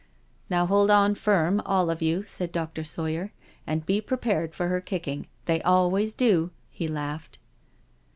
" Now hold on firm all of you," said Dr. Sawyer, *'and be prepared for her kicking— they always do I" he laughed.